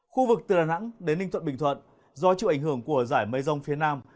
khu vực từ đà nẵng đến ninh thuận bình thuận do chịu ảnh hưởng của giải mây rông phía nam